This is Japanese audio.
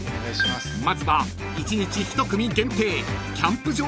［まずは１日１組限定］